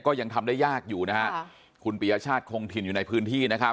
ยังทำได้ยากอยู่นะฮะคุณปียชาติคงถิ่นอยู่ในพื้นที่นะครับ